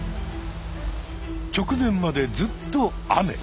直前までずっと雨。